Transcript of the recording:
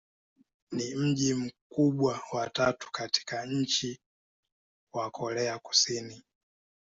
Ni mji mkubwa wa tatu katika nchi wa Korea Kusini.